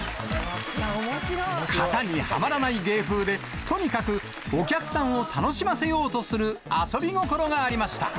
型にはまらない芸風で、とにかくお客さんを楽しませようとする遊び心がありました。